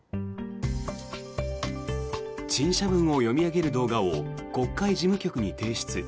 陳謝文を読み上げる動画を国会事務局に提出。